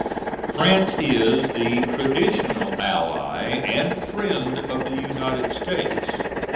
France is the traditional ally and friend of the United States.